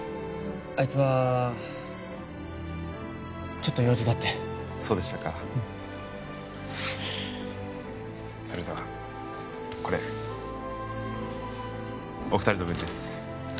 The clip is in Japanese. あいつはちょっと用事があってそうでしたかうんそれではこれお二人の分です